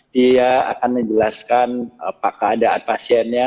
dia akan menjelaskan apa keadaan pasiennya